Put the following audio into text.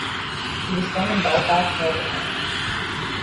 He was born in Belfast, Northern Ireland.